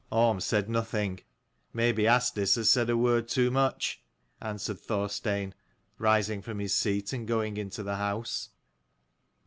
" Orm said nothing. Maybe Asdis has said a word too much," answered Thorstein, rising from his seat and going into the house.